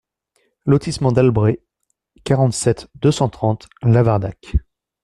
Lotissement d'Albret, quarante-sept, deux cent trente Lavardac